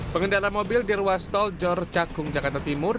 pengendara mobil di ruas tol jorcakung jakarta timur